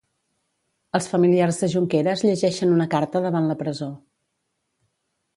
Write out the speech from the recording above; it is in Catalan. Els familiars de Junqueres llegeixen una carta davant la presó.